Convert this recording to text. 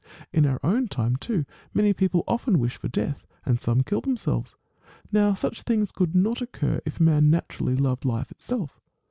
In our own time too many people often wish for death, and some kill themselves. Now such things could not occur if man naturally loved life itself.